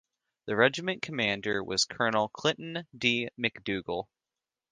The regiment commander was Colonel Clinton D. MacDougall.